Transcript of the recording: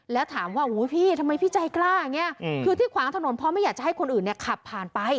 แล้วถามว่าพี่ทำไมพี่ใจกล้าอย่างนี้คือที่ขวางถนนเพราะไม่อยากจะให้คนอื่นเนี่ยขับผ่านไป